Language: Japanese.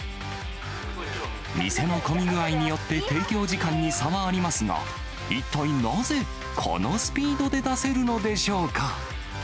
店の混み具合によって提供時間に差はありますが、一体なぜ、このスピードで出せるのでしょうか。